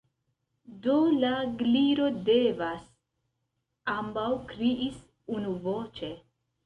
"Do, la Gliro devas," ambaŭ kriis unuvoĉe.